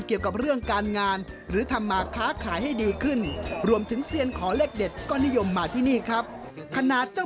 เกี่ยวกับเรื่องการงานหรือทำมาค้าขายให้ดีขึ้น